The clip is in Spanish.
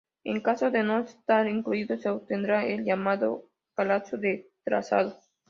En caso de no estar incluido, se obtendrá el llamado "calado de trazado".